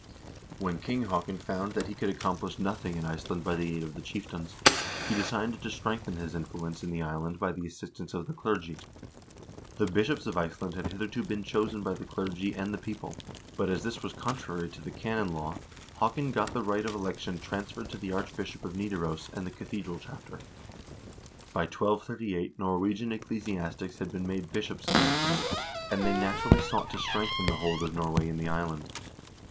When King Haakon found that he could accomplish nothing in Iceland by the aid of the chieftains, he decided to strengthen his influence in the island by the assistance of the clergy. The bishops of Iceland had hitherto been chosen by the clergy and the people, but as this was contrary to the canon law, Haakon got the right of election transferred to the Archbishop of Nidaros and the cathedral chapter. By 1238 Norwegian ecclesiastics had been made bishops in Iceland, and they naturally sought to strengthen the hold of Nor way in the island.